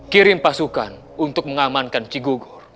kirim pasukan untuk mengamankan cikgu gur